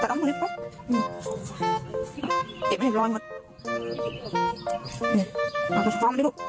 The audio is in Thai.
ออกแล้ว